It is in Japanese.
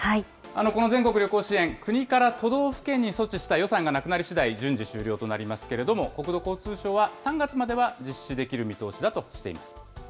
この全国旅行支援、国から都道府県に措置した予算がなくなりしだい、順次、終了となりますけれども、国土交通省は、３月までは実施できる見通しだとしています。